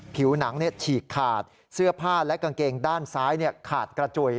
ผิวหนังฉีกขาดเสื้อผ้าและกางเกงด้านซ้ายขาดกระจุย